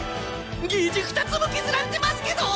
ゲージ２つも削られてますけど！